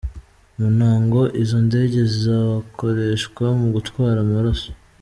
Mu ntango, izo ndege zizokoreshwa mu gutwara amaraso.